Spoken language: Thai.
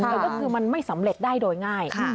แต่ก็คือมันไม่สำเร็จได้โดยง่าย